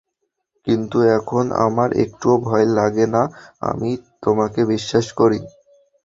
কিন্তু এখন আমার একটুও ভয় লাগে নাহ আমি তোমাকে বিশ্বাস করি।